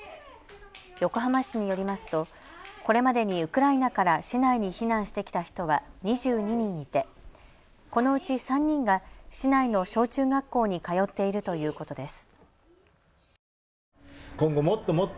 横浜市によりますとこれまでにウクライナから市内に避難してきた人は２２人いてこのうち３人が市内の小中学校に通っているということです。